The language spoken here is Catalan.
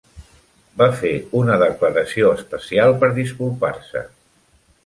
Va fer una declaració especial per disculpar-se.